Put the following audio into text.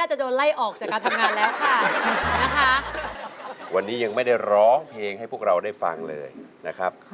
ไม่ใช้หมายความว่าเป็นไงเป็นกัน